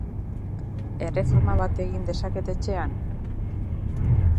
Erreforma bat egin dezaket etxean?